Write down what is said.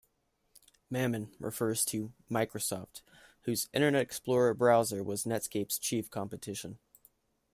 "Mammon" refers to Microsoft, whose Internet Explorer browser was Netscape's chief competition.